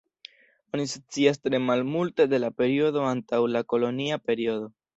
Oni scias tre malmulte de la periodo antaŭ la kolonia periodo.